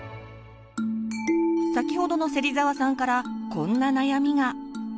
先ほどの芹澤さんからこんな悩みが。